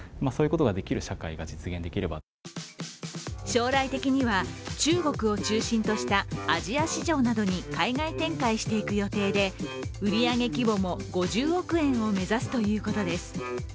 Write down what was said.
将来的には中国を中心としたアジア市場などに海外展開していく予定で売り上げ規模も５０億円を目指すということです。